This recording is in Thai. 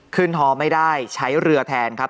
ฮอไม่ได้ใช้เรือแทนครับ